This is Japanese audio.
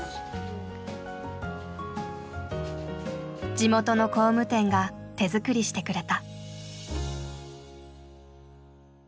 地元の工務店が手作りしてくれた。